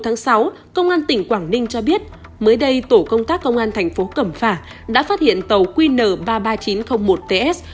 ngày một sáu công an tỉnh quảng ninh cho biết mới đây tổ công tác công an tp hcm đã phát hiện tàu qn ba mươi ba nghìn chín trăm linh một ts